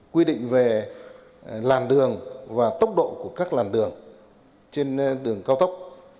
quy định về làn đường và tốc độ của các làn đường trên đường cao tốc